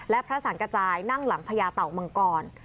และพระสังกระจายนั่งหลังพญาเต่างังกร